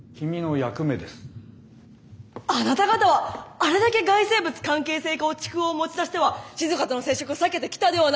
あなた方はあれだけ外生物関係性構築法を持ち出してはしずかとの接触を避けてきたではないですか。